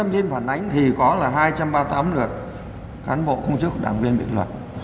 một năm trăm linh viên phản ánh thì có là hai trăm ba mươi tám lượt cán bộ công chức đảng viên biện luật